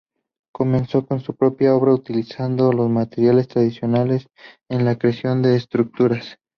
Comenzó su propia obra utilizando los materiales tradicionales en la creación de esculturas.